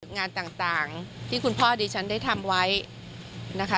งานต่างที่คุณพ่อดิฉันได้ทำไว้นะคะ